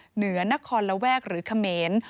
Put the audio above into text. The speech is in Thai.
เหนือนครระแวกหรือเขมร